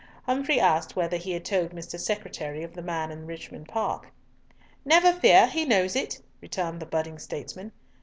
Humfrey asked whether he had told Mr. Secretary of the man in Richmond Park. "Never fear! he knows it," returned the budding statesman.